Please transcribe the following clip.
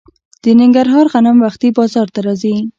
د ننګرهار غنم وختي بازار ته راځي.